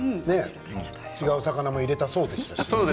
違う魚も入れたそうでしたね。